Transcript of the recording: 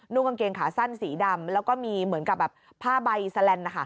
นู่งกางเกงขาสั้นสีดำแล้วก็มีเหมือนกับผ้าใบสแลนด์